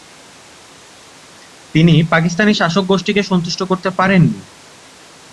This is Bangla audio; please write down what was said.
তিনি পাকিস্তানি শাসক গোষ্ঠীকে সন্তুষ্ট করতে পারেন নি।